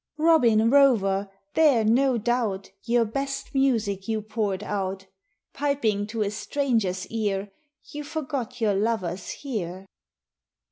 Robin rover, there, no doubt, Your best music you poured out; Piping to a stranger's ear, You forgot your lovers here.